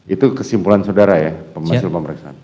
itu kesimpulan saudara ya hasil pemeriksaan